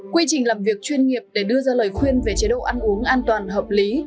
quy trình làm việc chuyên nghiệp để đưa ra lời khuyên về chế độ ăn uống an toàn hợp lý